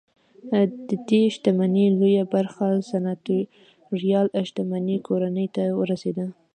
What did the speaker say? ددې شتمنۍ لویه برخه سناتوریال شتمنۍ کورنۍ ته ورسېده